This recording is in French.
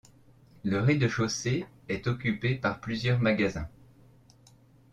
Le rez-de-chaussée est occupé par plusieurs magasins.